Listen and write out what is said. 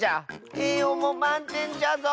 えいようもまんてんじゃぞ！